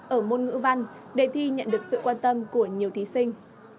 ở môn ngữ văn đề thi nhận được sự quan tâm của nhiều thí sinh